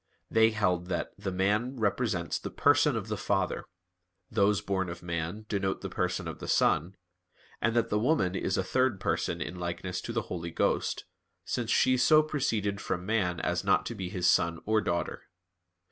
They held that "the man represents the Person of the Father; those born of man denote the person of the Son; and that the woman is a third person in likeness to the Holy Ghost, since she so proceeded from man as not to be his son or daughter."